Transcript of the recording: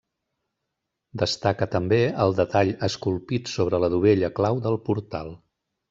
Destaca també el detall esculpit sobre la dovella clau del portal.